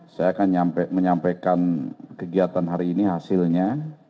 saya akan menyampaikan kegiatan hari ini hasilnya